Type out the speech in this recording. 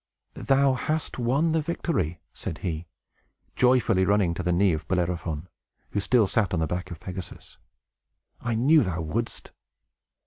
"Thou hast won the victory," said he, joyfully, running to the knee of Bellerophon, who still sat on the back of Pegasus. "I knew thou wouldst."